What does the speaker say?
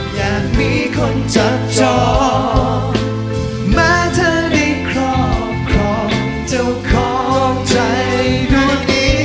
อยากมีคนจับจอแม้เธอได้ครอบครองเจ้าของใจดวงดี